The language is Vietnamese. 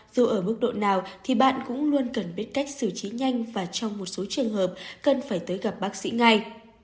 dù ở mức độ nào thì bạn cũng luôn cần biết cách xử trí nhanh và trong một số trường hợp cần phải tới gặp bác sĩ ngay